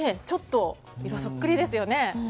ちょっと、そっくりですよね。